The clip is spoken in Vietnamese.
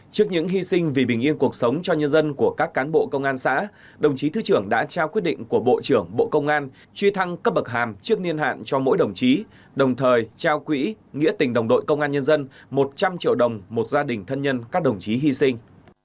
trước những hy sinh vì bình yên cuộc sống cho nhân dân của các cán bộ công an xã đồng chí thứ trưởng đã trao quyết định của bộ trưởng bộ công an truy thăng cấp bậc hàm trước niên hạn cho mỗi đồng chí đồng thời trao quỹ nghĩa tình đồng đội công an nhân dân một trăm linh triệu đồng một gia đình thân nhân các đồng chí hy sinh